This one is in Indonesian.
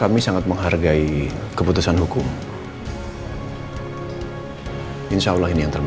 bisa terserah father